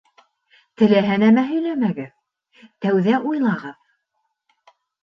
Теләһә нәмә һөйләмәгеҙ, тәүҙә уйлағыҙ